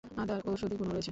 আদার ঔষধি গুণও রয়েছে।